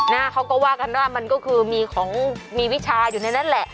นะเขาก็ว่ากันว่ามันก็คือมีของมีวิชาอยู่ในนั้นแหละ